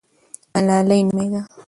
ملالۍ نومېده.